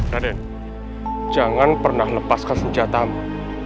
raden jangan pernah lepaskan senjatamu